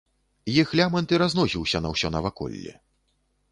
Іх лямант і разносіўся на ўсё наваколле.